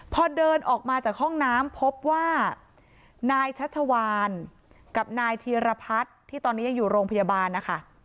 พอเดินออกมาจากห้องน้ำพบว่านายชัชวานกับนายธีรพัฒน์ที่ตอนนี้ยังอยู่โรงพยาบาลนะคะ